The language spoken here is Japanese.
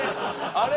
あれ？